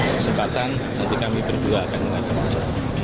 kesempatan nanti kami berdua akan mengatur